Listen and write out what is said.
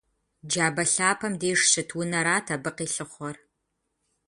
Джабэ лъапэм деж щыт унэрат абы къилъыхъуэр.